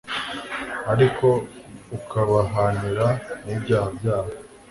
ariko ukabahanira n'ibyaha byabo